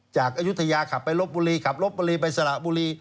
จากอยุธยาขับไปรปบุรีขับรปบุรีไปสระบุรี